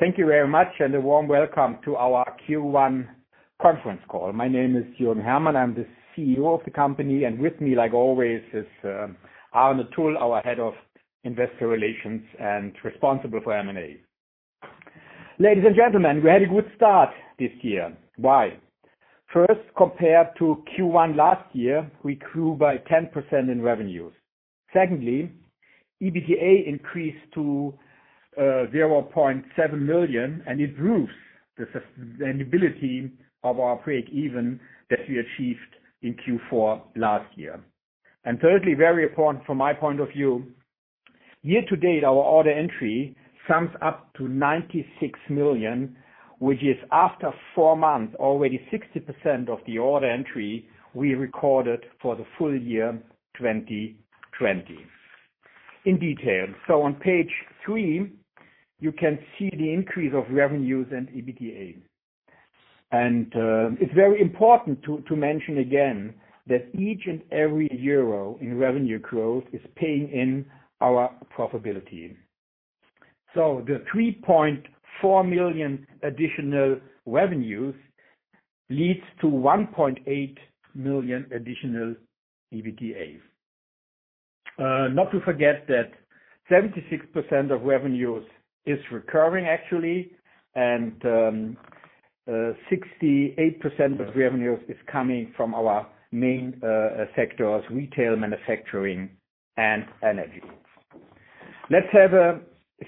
Thank you very much, and a warm welcome to our Q1 conference call. My name is Jürgen Hermann. I am the CEO of the company, and with me, like always, is Arne Thull, our Head of Investor Relations and responsible for M&A. Ladies and gentlemen, we had a good start this year. Why? First, compared to Q1 last year, we grew by 10% in revenues. Secondly, EBITDA increased to 0.7 million, and it proves the sustainability of our break even that we achieved in Q4 last year. Thirdly, very important from my point of view, year to date, our order entry sums up to 96 million, which is after four months, already 60% of the order entry we recorded for the full year 2020. In detail. On page three, you can see the increase of revenues and EBITDA. It's very important to mention again that each and every EUR in revenue growth is paying in our profitability. The 3.4 million additional revenues leads to 1.8 million additional EBITDA. Not to forget that 76% of revenues is recurring actually, 68% of revenues is coming from our main sectors, retail, manufacturing and energy. Let's have a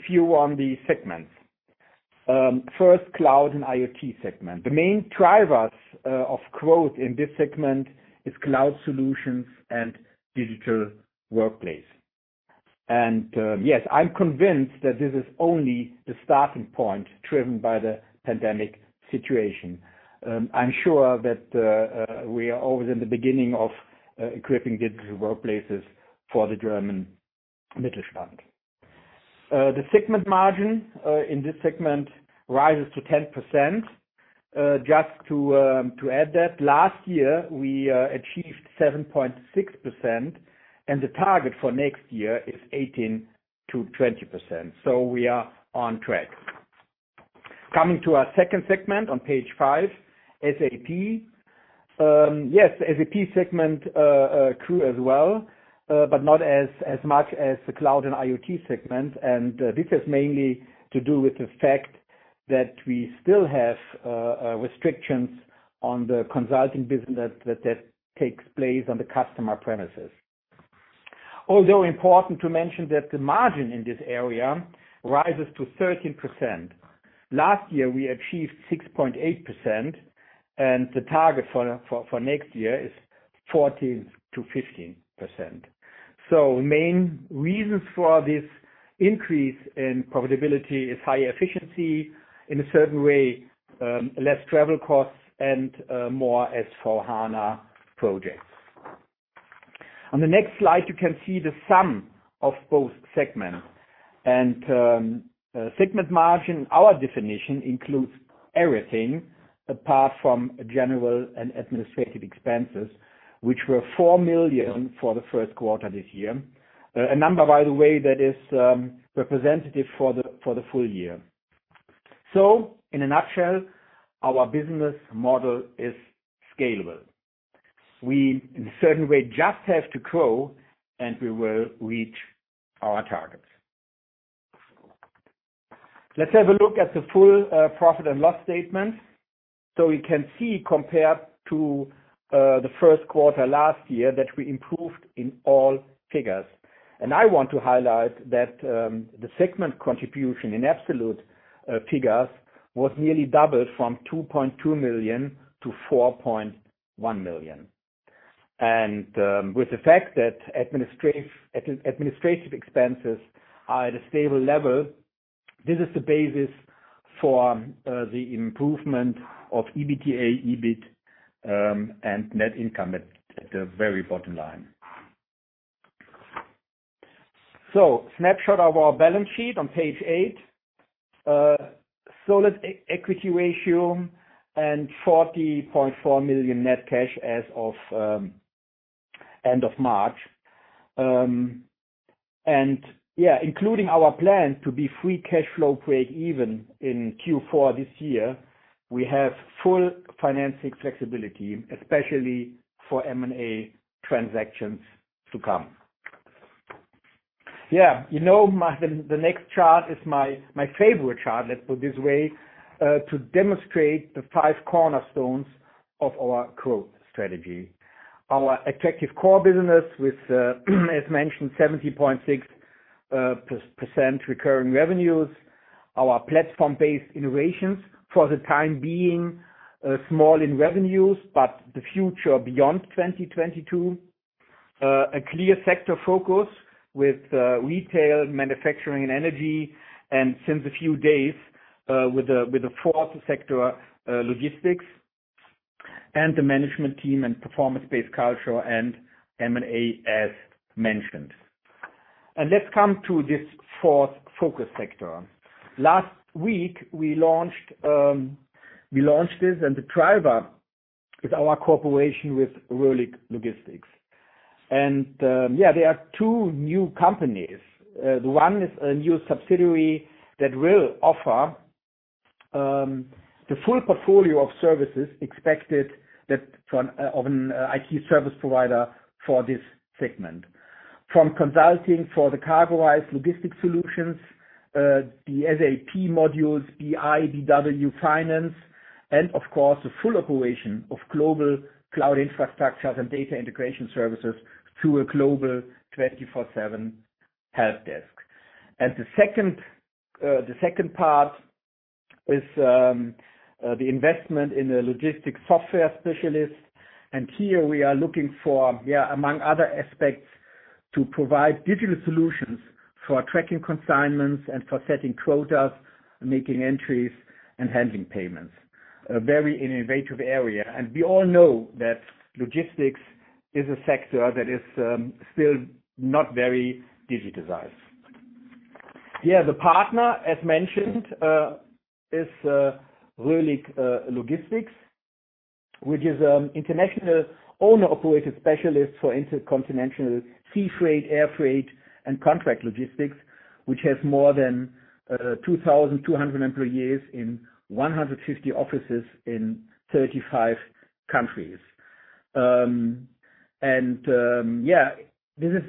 few on the segments. First Cloud and IoT segment. The main drivers of growth in this segment is cloud solutions and digital workplace. Yes, I'm convinced that this is only the starting point driven by the pandemic situation. I'm sure that we are always in the beginning of equipping digital workplaces for the German Mittelstand. The segment margin in this segment rises to 10%. Just to add that, last year we achieved 7.6%, the target for next year is 18%-20%. We are on track. Coming to our second segment on page five, SAP. Yes, SAP segment grew as well, but not as much as the cloud and IoT segment. This is mainly to do with the fact that we still have restrictions on the consulting business that takes place on the customer premises. Although important to mention that the margin in this area rises to 13%. Last year, we achieved 6.8%, and the target for next year is 14%-15%. Main reasons for this increase in profitability is higher efficiency in a certain way, less travel costs and more S/4HANA projects. On the next slide, you can see the sum of both segments. Segment margin, our definition includes everything apart from general and administrative expenses, which were 4 million for the first quarter this year. A number, by the way, that is representative for the full year. In a nutshell, our business model is scalable. We, in a certain way, just have to grow, and we will reach our targets. Let's have a look at the full profit and loss statement. We can see compared to the first quarter last year, that we improved in all figures. I want to highlight that the segment contribution in absolute figures was nearly doubled from 2.2 million to 4.1 million. With the fact that administrative expenses are at a stable level, this is the basis for the improvement of EBITDA, EBIT, and net income at the very bottom line. Snapshot of our balance sheet on page eight. Solid equity ratio and 40.4 million net cash as of end of March. Including our plan to be free cash flow break even in Q4 this year, we have full financing flexibility, especially for M&A transactions to come. The next chart is my favorite chart, let's put this way, to demonstrate the five cornerstones of our growth strategy. Our attractive core business with, as mentioned, 70.6% recurring revenues. Our platform-based innovations for the time being small in revenues, but the future beyond 2022. A clear sector focus with retail, manufacturing, and energy. Since a few days with a fourth sector, logistics. The management team and performance-based culture and M&A as mentioned. Let's come to this fourth focus sector. Last week we launched this and the driver is our cooperation with Röhlig Logistics. There are two new companies. One is a new subsidiary that will offer the full portfolio of services expected of an IT service provider for this segment. From consulting for the CargoWise logistic solutions, the SAP modules, BI, BW finance, and of course the full operation of global cloud infrastructures and data integration services to a global 24/7 help desk. The second part is the investment in a logistic software specialist. Here we are looking for, among other aspects, to provide digital solutions for tracking consignments and for setting quotas, making entries and handling payments. A very innovative area, we all know that logistics is a sector that is still not very digitized. Yeah, the partner, as mentioned, is Röhlig Logistics, which is an international owner-operated specialist for intercontinental sea freight, air freight and contract logistics, which has more than 2,200 employees in 150 offices in 35 countries. This is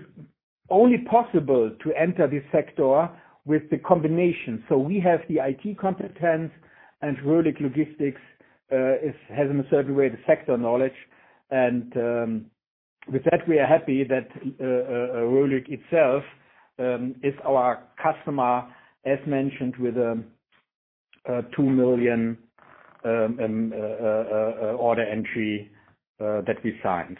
only possible to enter this sector with the combination. We have the IT competence and Röhlig Logistics has, in a certain way, the sector knowledge. With that, we are happy that Röhlig itself is our customer, as mentioned, with a two million order entry that we signed.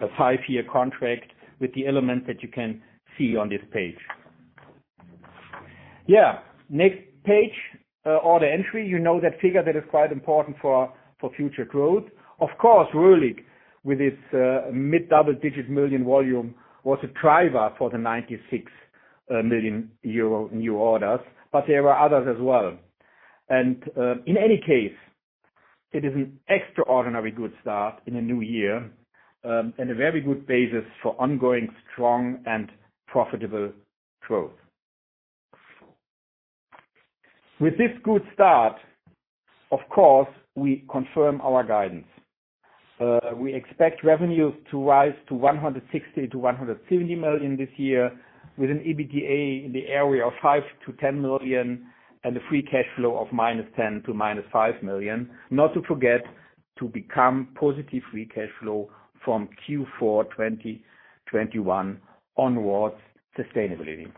A five-year contract with the elements that you can see on this page. Next page, order entry. You know that figure that is quite important for future growth. Of course, Röhlig, with its mid double-digit million volume, was a driver for the €96 million new orders, there were others as well. In any case, it is an extraordinarily good start in a new year, and a very good basis for ongoing strong and profitable growth. With this good start, of course, we confirm our guidance. We expect revenues to rise to 160 million to 170 million this year with an EBITDA in the area of 5 million to 10 million and a free cash flow of minus 10 million to minus 5 million. Not to forget, to become positive free cash flow from Q4 2021 onwards sustainably.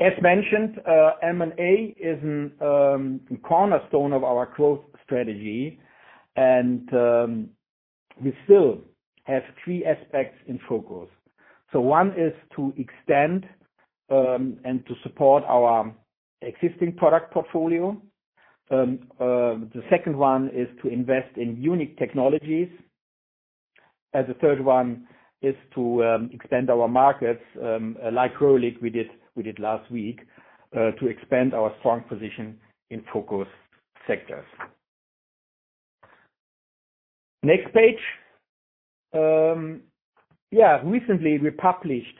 As mentioned, M&A is a cornerstone of our growth strategy. We still have three aspects in focus. One is to extend and to support our existing product portfolio. The second one is to invest in unique technologies. The third one is to extend our markets, like Röhlig we did last week, to expand our strong position in focus sectors. Next page. Recently, we published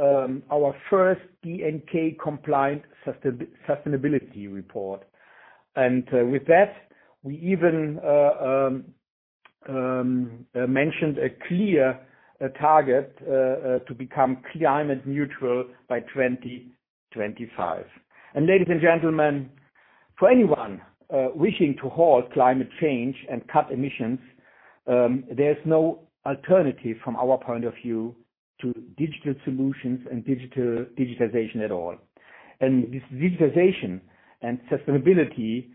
our first DNK compliant sustainability report. With that, we even mentioned a clear target to become climate neutral by 2025. Ladies and gentlemen, for anyone wishing to halt climate change and cut emissions, there's no alternative from our point of view to digital solutions and digitalization at all. This digitization and sustainability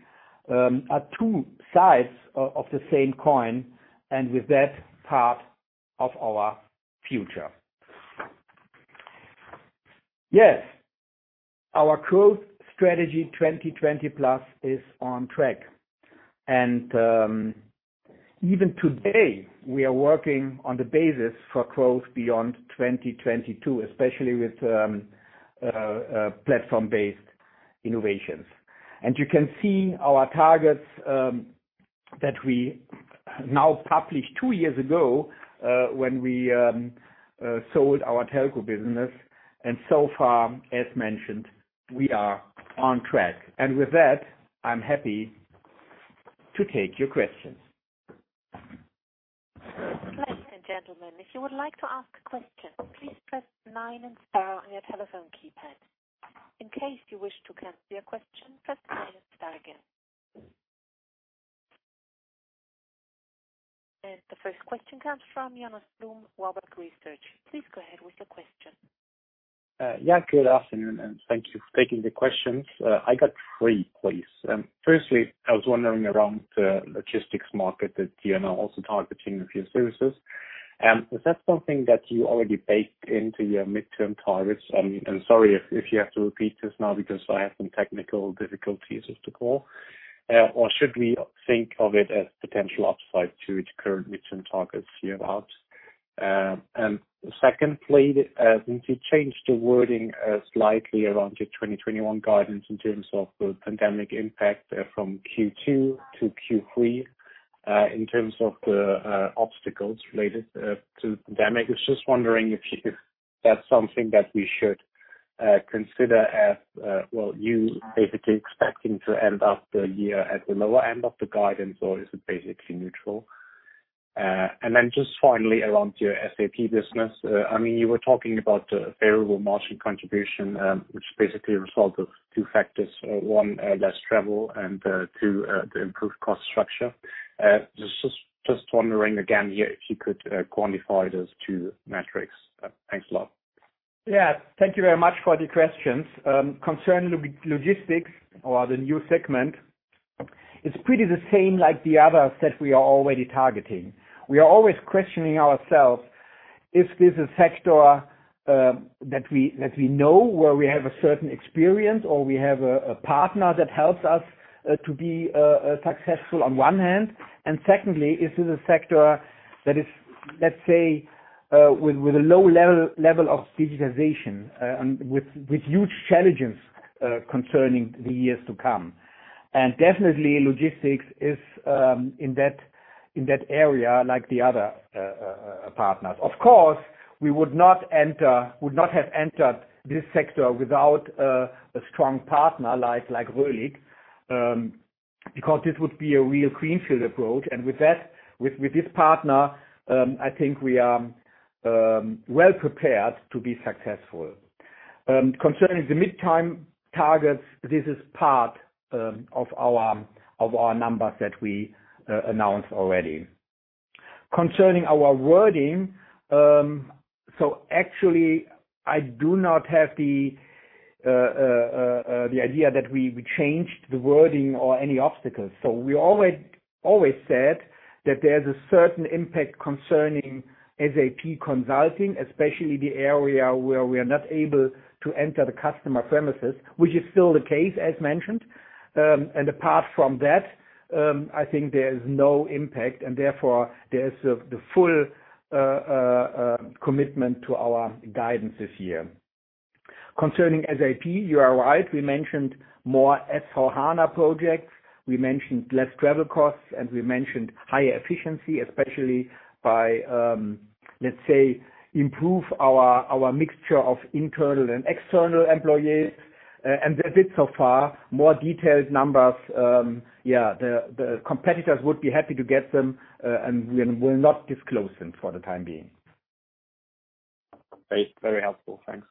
are two sides of the same coin, and with that, part of our future. Yes. Our Growth Strategy 2020 plus is on track. Even today, we are working on the basis for growth beyond 2022, especially with platform-based innovations. You can see our targets that we now published two years ago, when we sold our telco business, and so far, as mentioned, we are on track. With that, I'm happy to take your questions. Ladies and gentlemen, if you would like to ask a question, please press nine and star on your telephone keypad. In case you wish to cancel your question, press nine and star again. The first question comes from Jonas Blum, Warburg Research. Please go ahead with your question. Yeah, good afternoon, and thank you for taking the questions. I got three, please. Firstly, I was wondering around the logistics market that you are now also targeting with your services. Is that something that you already baked into your midterm targets? Sorry if you have to repeat this now because I had some technical difficulties with the call. Should we think of it as potential upside to its current midterm targets year out? Second, please, since you changed the wording slightly around your 2021 guidance in terms of the pandemic impact from Q2 to Q3, in terms of the obstacles related to the pandemic. I was just wondering if that's something that we should consider as, well, you basically expecting to end up the year at the lower end of the guidance, or is it basically neutral? Just finally around your SAP business, I mean, you were talking about the variable margin contribution, which is basically a result of two factors, one, less travel, and two, the improved cost structure. Just wondering again here if you could quantify those two metrics. Thanks a lot. Yeah. Thank you very much for the questions. Concerning logistics or the new segment, it's pretty the same like the others that we are already targeting. We are always questioning ourselves if this is a sector that we know where we have a certain experience or we have a partner that helps us to be successful on one hand. Secondly, is it a sector that is, let's say, with a low level of digitization, with huge challenges concerning the years to come. Definitely, logistics is in that area like the other partners. Of course, we would not have entered this sector without a strong partner like Röhlig, because this would be a real greenfield approach. With this partner, I think we are well prepared to be successful. Concerning the mid-time targets, this is part of our numbers that we announced already. Concerning our wording, actually, I do not have the idea that we changed the wording or any obstacles. We always said that there's a certain impact concerning SAP consulting, especially the area where we are not able to enter the customer premises, which is still the case as mentioned. Apart from that, I think there is no impact and therefore there is the full commitment to our guidance this year. Concerning SAP, you are right, we mentioned more S/4HANA projects. We mentioned less travel costs, we mentioned higher efficiency, especially by, let's say, improve our mixture of internal and external employees. That's it so far. More detailed numbers, the competitors would be happy to get them, we will not disclose them for the time being. Great. Very helpful. Thanks.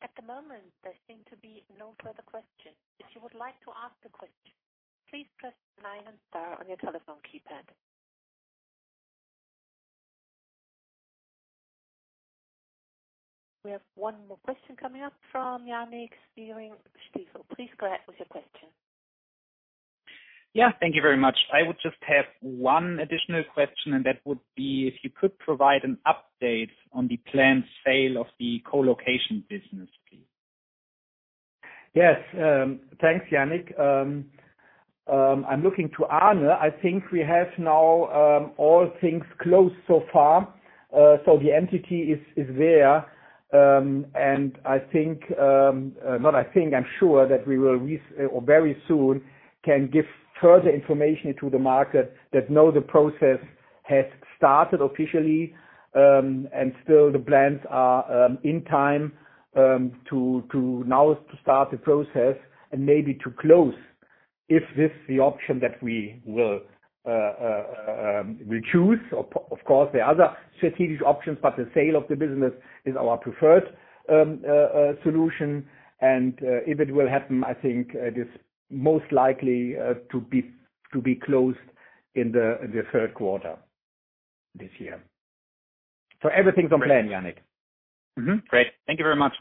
At the moment, there seem to be no further questions. If you would like to ask a question, please press nine and star on your telephone keypad. We have one more question coming up from Yannick Stiefel. Please go ahead with your question. Yeah. Thank you very much. I would just have one additional question, and that would be if you could provide an update on the planned sale of the colocation business, please. Yes. Thanks, Yannick. I'm looking to Arne. I think we have now all things closed so far. The entity is there. I'm sure that we will very soon can give further information to the market that now the process has started officially, and still the plans are in time now to start the process and maybe to close if this is the option that we will choose. Of course, there are other strategic options, but the sale of the business is our preferred solution. If it will happen, I think it is most likely to be closed in the third quarter this year. Everything's on plan, Yannick. Great. Thank you very much.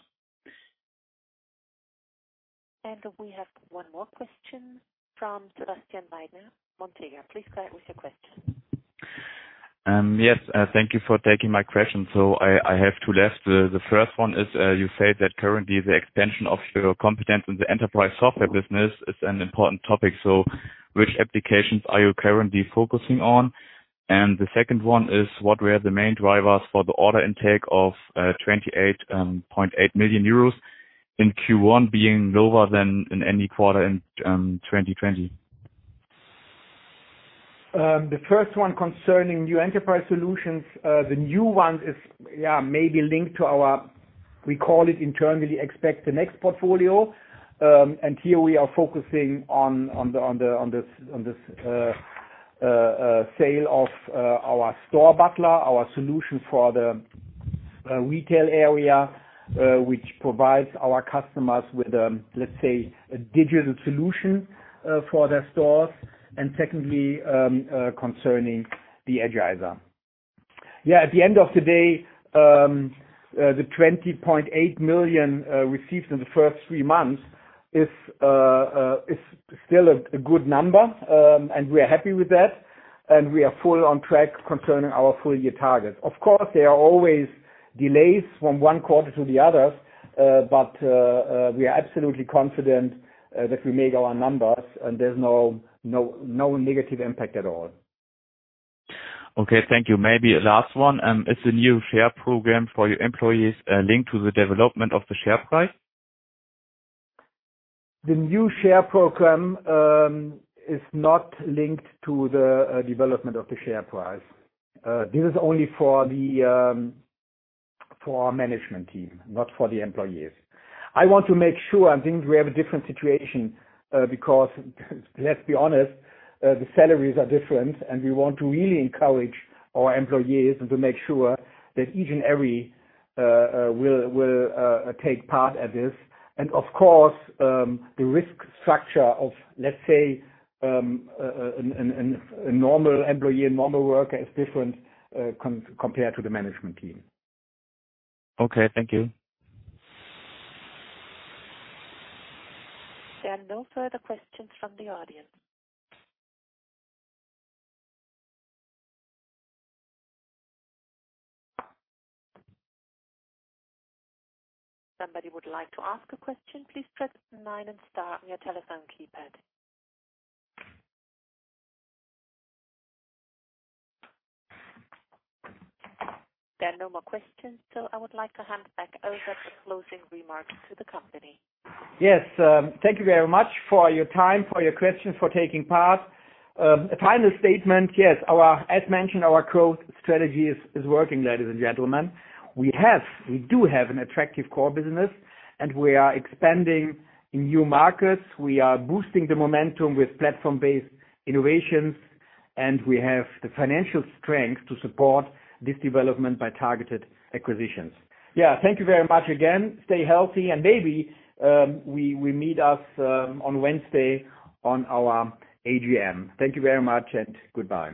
We have one more question from Sebastian Weidner, Montega. Please go ahead with your question. Yes. Thank you for taking my question. I have two left. The first one is, you said that currently the extension of your competence in the enterprise software business is an important topic. Which applications are you currently focusing on? The second one is, what were the main drivers for the order intake of 28.8 million euros in Q1 being lower than in any quarter in 2020? The first one concerning new enterprise solutions, the new ones is maybe linked to our, we call it internally, Expect the next portfolio. Here we are focusing on the sale of our StoreButler, our solution for the retail area, which provides our customers with, let's say, a digital solution for their stores. Secondly, concerning the Agizer. Yeah, at the end of the day, 20.8 million received in the first three months is still a good number, and we are happy with that, and we are fully on track concerning our full-year target. Of course, there are always delays from one quarter to the other. We are absolutely confident that we make our numbers and there's no negative impact at all. Okay, thank you. Maybe last one. Is the new share program for your employees linked to the development of the share price? The new share program is not linked to the development of the share price. This is only for our management team, not for the employees. I want to make sure, I think we have a different situation, because let's be honest, the salaries are different, and we want to really encourage our employees and to make sure that each and every will take part at this. Of course, the risk structure of, let's say, a normal employee, a normal worker is different compared to the management team. Okay, thank you. There are no further questions from the audience. There are no more questions, so I would like to hand back over the closing remarks to the company. Yes. Thank you very much for your time, for your questions, for taking part. A final statement. Yes. As mentioned, our growth strategy is working, ladies and gentlemen. We do have an attractive core business, and we are expanding in new markets. We are boosting the momentum with platform-based innovations, and we have the financial strength to support this development by targeted acquisitions. Yeah, thank you very much again. Stay healthy, and maybe we meet us on Wednesday on our AGM. Thank you very much and goodbye.